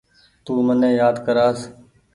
تو مني يآد ڪرآس ۔